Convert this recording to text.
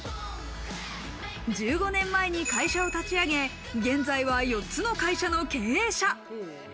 １５年前に会社を立ち上げ、現在は４つの会社の経営者。